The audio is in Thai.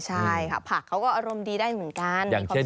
ใช่ค่ะผักเขาก็อารมณ์ดีได้เหมือนกัน